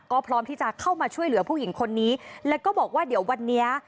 ก็พร้อมที่จะเข้ามาช่วยเหลือผู้หญิงคนนี้แล้วก็บอกว่าเดี๋ยววันนี้